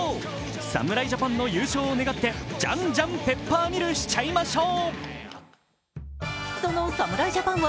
侍ジャパンの優勝を願ってジャンジャン、ペッパーミルしちゃいましょう。